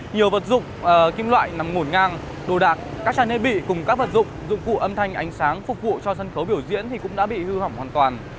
nhiều vật dụng kim loại nằm ngổn ngang đồ đạc các trang thiết bị cùng các vật dụng dụng cụ âm thanh ánh sáng phục vụ cho sân khấu biểu diễn cũng đã bị hư hỏng hoàn toàn